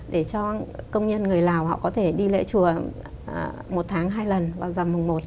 để cho công nhân người lào họ có thể đi lễ chùa một tháng hai lần vào giảm mùng một